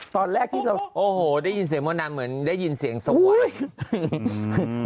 ตอนแรกที่เราโอ้โหได้ยินเสียงมดดำเหมือนได้ยินเสียงสวย